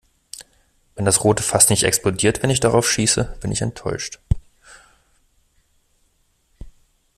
Wenn das rote Fass nicht explodiert, wenn ich darauf schieße, bin ich enttäuscht.